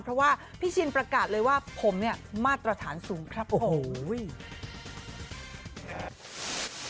เพราะว่าพี่ชินประกาศเลยว่าผมเนี่ยมาตรฐานสูงครับผม